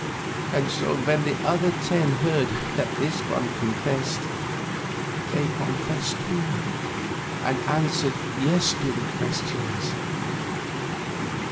And so when the other ten heard that this one confessed, they confessed, too, and answered yes to the questions.